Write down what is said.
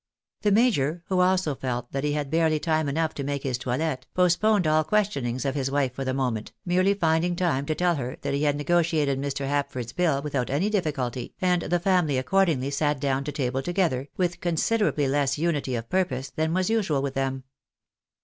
The major, who also felt that he had barely time enough to make his toilet, postponed all questionings of his wife for the moment, merely finding time to tell her that he had nego tiated Mr. Hapford's bill without any difficulty, and the family accordingly sat down to table together, with considerably less unity of purpose than was usual with them.